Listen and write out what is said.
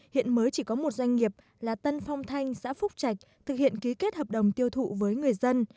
hiện mới chỉ có một doanh nghiệp là tân phong thanh xã phúc trạch thực hiện ký kết hợp đồng tiêu thụ với người dân